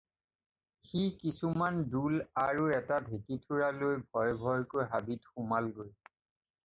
সি কিছুমান ডোল আৰু এটা ঢেঁকীথোৰা লৈ ভয়-ভয়কৈ হাবিত সোমালগৈ।